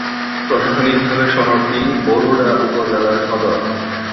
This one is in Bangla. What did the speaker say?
প্রশাসনিকভাবে শহরটি বরুড়া উপজেলার সদর।